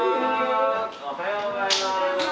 おはようございます！